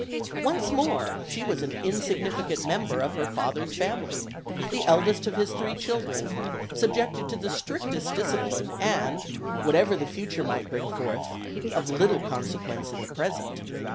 Once more she was an insignificant member of her father's family, the eldest of his three children, subjected to the strictest discipline and, whatever the future might bring forth, of little consequence in the present.